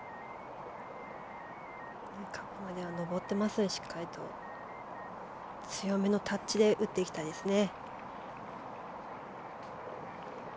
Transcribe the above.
カップまでは上ってますのでしっかりと強めのタッチで打っていきたいですね。